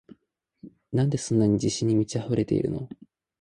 なんでそんなに自信に満ちあふれてるの？